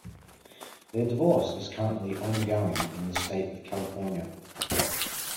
Their divorce is currently ongoing in the state of California.